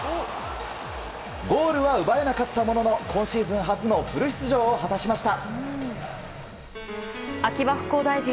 ゴールは奪えなかったものの今シーズン初のフル出場を果たしました。